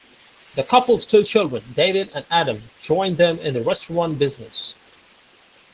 The couple's two children, David and Adam, joined them in the restaurant business.